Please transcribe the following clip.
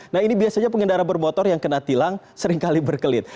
nah ini biasanya pengendara bermotor yang kena tilang seringkali berkelit